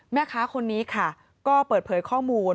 แม่ค้าคนนี้ค่ะก็เปิดเผยข้อมูล